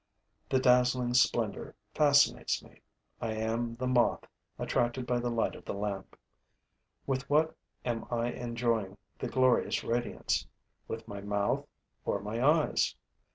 The dazzling splendor fascinates me. I am the Moth attracted by the light of the lamp. With what am I enjoying the glorious radiance: with my mouth or my eyes?